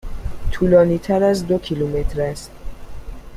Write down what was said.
طولانی تر از دو کیلومتر است.